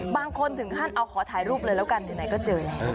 บางคนถึงขั้นเอาขอถ่ายรูปเลยแล้วกันอยู่ไหนก็เจอแล้ว